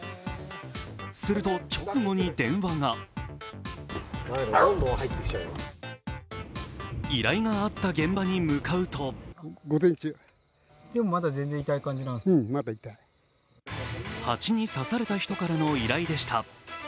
すると直後に電話が依頼があった現場に向かうと蜂に刺された人からの依頼でした。